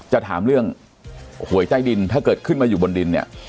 จะถามเรื่องหวยใต้ดินถ้าเกิดขึ้นมาอยู่บนดินเนี่ย